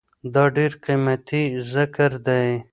دا ډير قيمتي ذکر دی